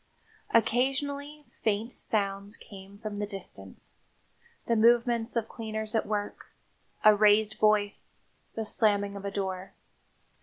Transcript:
Occasionally faint sounds came from the distance the movements of cleaners at work, a raised voice, the slamming of a door.